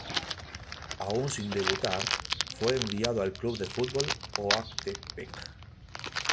Aun sin debutar, fue enviado al club de fútbol Oaxtepec.